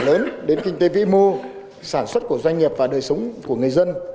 lớn đến kinh tế vĩ mô sản xuất của doanh nghiệp và đời sống của người dân